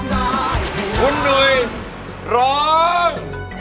คุณหนุ่ยร้อง